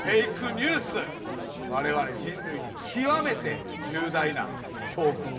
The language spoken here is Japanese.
ニュース我々人類に極めて重大な教訓を与えてくれます。